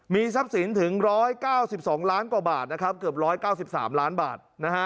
มีทรัพย์สินถึง๑๙๒ล้านกว่าบาทนะครับเกือบ๑๙๓ล้านบาท